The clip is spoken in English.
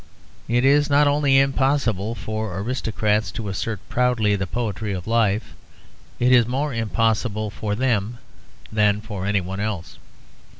It is not only impossible for aristocrats to assert proudly the poetry of life; it is more impossible for them than for anyone else.